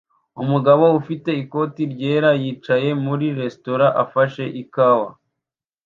Umugabo ufite ikoti ryera yicaye muri resitora afashe ikawa